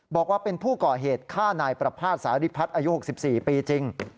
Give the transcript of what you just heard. บอกว่าเป็นผู้ก่อเหตุฆ่านายประภาษณสาริพัฒน์อายุ๖๔ปีจริง